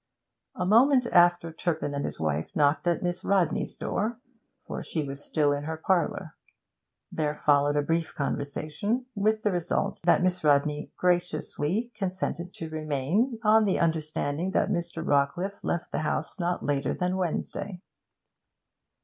A moment after Turpin and his wife knocked at Miss Rodney's door, for she was still in her parlour. There followed a brief conversation, with the result that Miss Rodney graciously consented to remain, on the understanding that Mr. Rawcliffe left the house not later than Wednesday.